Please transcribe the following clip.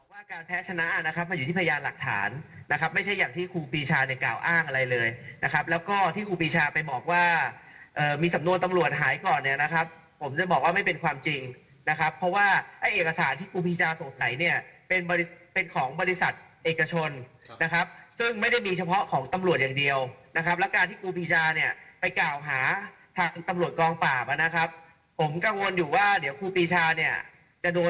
ว่าการแพ้ชนะนะครับมันอยู่ที่พยานหลักฐานนะครับไม่ใช่อย่างที่ครูปีชาเนี่ยกล่าวอ้างอะไรเลยนะครับแล้วก็ที่ครูปีชาไปบอกว่ามีสำนวนตำรวจหายก่อนเนี่ยนะครับผมจะบอกว่าไม่เป็นความจริงนะครับเพราะว่าไอ้เอกสารที่ครูปีชาสงสัยเนี่ยเป็นของบริษัทเอกชนนะครับซึ่งไม่ได้มีเฉพาะของตำรวจอย่างเดียวนะครับแล้วการท